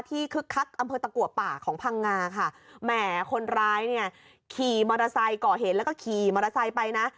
คึกคักอำเภอตะกัวป่าของพังงาค่ะแหมคนร้ายเนี่ยขี่มอเตอร์ไซค์ก่อเหตุแล้วก็ขี่มอเตอร์ไซค์ไปนะ